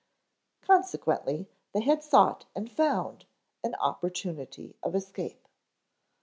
Consequently they had sought and found an opportunity of escape.